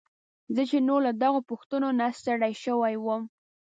زه چې نور له دغو پوښتنو نه ستړی شوی وم.